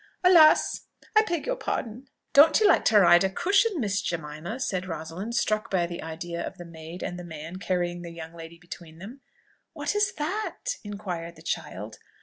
Alas! I beg your pardon! " "Don't you like to ride a cushion, Miss Jemima?" said Rosalind, struck by the idea of the maid and the man carrying the young lady between them. "What is that?" inquired the child.